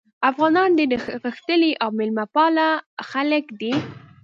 افغانان ډېر غښتلي او میلمه پاله خلک دي.